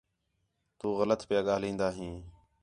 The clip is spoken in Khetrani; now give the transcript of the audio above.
تُو غلط پیا ڳاہلین٘دا ہیں